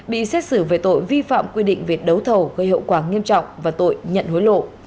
bị xét xử về tội vi phạm quy định về đấu thầu gây hậu quả nghiêm trọng và tội nhận hối lộ